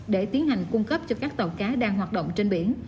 để tiến hành cung cấp cho các tàu cá đang hoạt động trên biển